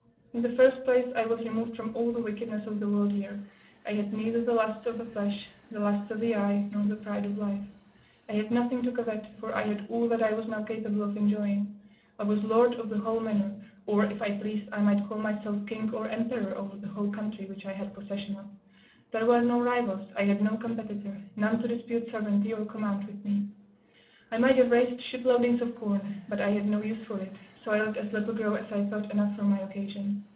In the first place, I was removed from all the wickedness of the world here; I had neither the lusts of the flesh, the lusts of the eye, nor the pride of life. I had nothing to covet, for I had all that I was now capable of enjoying; I was lord of the whole manor; or, if I pleased, I might call myself king or emperor over the whole country which I had possession of: there were no rivals; I had no competitor, none to dispute sovereignty or command with me; I might have raised ship loadings of corn, but I had no use for it; so I let as little grow as I thought enough for my occasion.